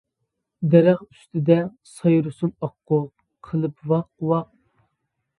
دەرەخ ئۈستىدە، سايرىسۇن ئاققۇ، قىلىپ ۋاق، ،، ۋاق.